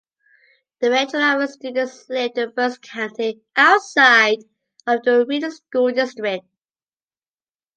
The majority of students lived in Berks County, outside of the Reading School District.